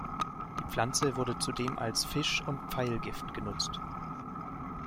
Die Pflanze wurde zudem als Fisch- und Pfeilgift genutzt.